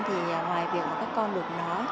thì ngoài việc các con được nói